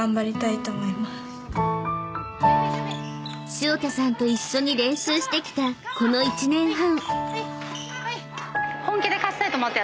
［潮田さんと一緒に練習してきたこの１年半］